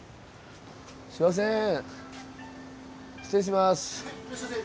すいません失礼します。